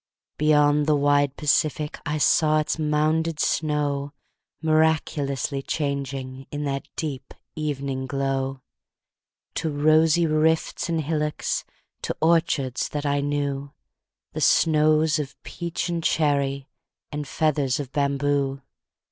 Beyond the wide Pacific I saw its mounded snow Miraculously changing In that deep evening glow, To rosy rifts and hillocks, To orchards that I knew, The snows or peach and cherry, And feathers of bamboo.